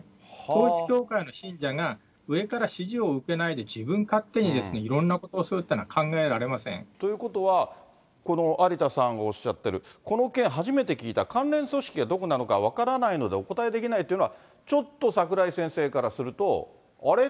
統一教会の信者が、上から指示を受けないで自分勝手にいろんなことをするってのは考ということは、有田さんがおっしゃってるこの件、初めて聞いた、関連組織がどこなのか分からないのでお答えできないというのは、ちょっと櫻井先生からすると、あれ？